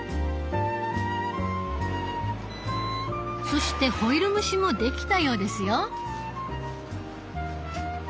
そしてホイル蒸しも出来たようですよ。